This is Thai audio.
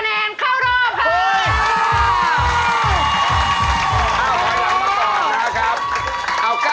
เอ้าเดี๋ยวเราเริ่มก่อนนะครับ